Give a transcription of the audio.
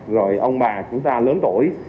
rồi ông bà chúng ta lớn tuổi